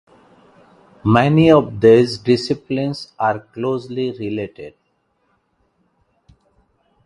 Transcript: Many of these disciplines are closely related to computer science.